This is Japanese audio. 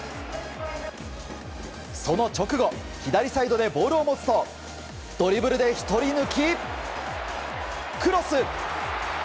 その直後左サイドでボールを持つとドリブルで１人抜きクロス！